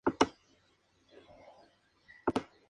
Mientras, el Duende Verde se acerca.